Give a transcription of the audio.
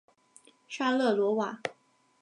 沙勒罗瓦。